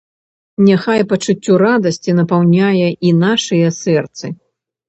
Няхай пачуццё радасці напаўняе і нашыя сэрцы.